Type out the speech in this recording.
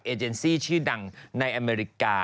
เจนซี่ชื่อดังในอเมริกา